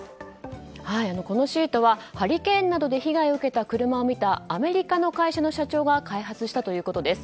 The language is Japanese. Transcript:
このシートはハリケーンなどで被害を受けた車を見たアメリカの会社の社長が開発したということです。